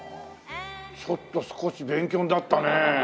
ちょっと少し勉強になったね。